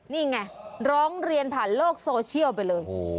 นี่ไงร้องเรียนผ่านโลกโซเชียลไปเลย